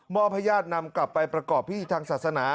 อบให้ญาตินำกลับไปประกอบพิธีทางศาสนา